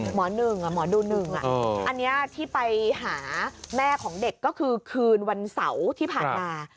๑หมอดู๑อันนี้ที่ไปหาแม่ของเด็กก็คือคืนวันเสาร์ที่ผ่านมา